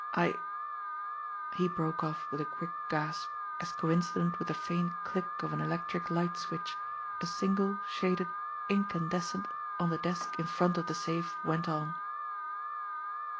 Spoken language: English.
I " He broke off with a quick gasp, as coincident with the faint click of an electric light switch, a single, shaded incandescent on the desk in front of the safe went on.